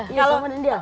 iya sama dengan dia